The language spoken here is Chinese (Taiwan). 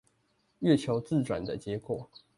月球自轉的結果